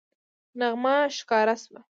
نغمه ښکاره شوه